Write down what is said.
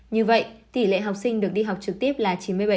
như vậy tỷ lệ học sinh được đi học trực tiếp là chín mươi bảy